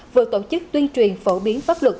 vừa tổ chức tuyên truyền phổ biến pháp luật